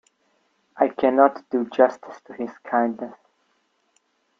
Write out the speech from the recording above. I cannot do justice to his kindness.